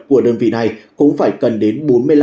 của đơn vị này cũng phải cần đến